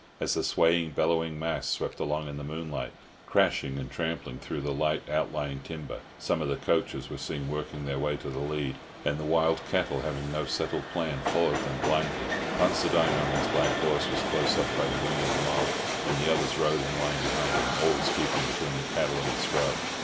As the swaying, bellowing mass swept along in the moonlight, crashing and trampling through the light outlying timber, some of the coachers were seen working their way to the lead, and the wild cattle having no settled plan, followed them blindly. Considine, on his black horse, was close up by the wing of the mob, and the others rode in line behind him, always keeping between the cattle and the scrub.